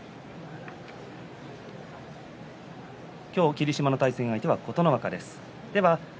今日、霧島の対戦相手は琴ノ若です。